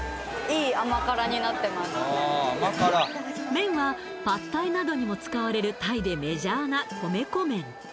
麺はパッタイなどにも使われるタイでメジャーな米粉麺